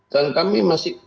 dan kami masih